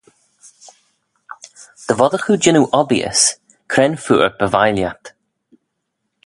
Dy voddagh oo jannoo obbeeys, cre'n phooar by vie lhiat?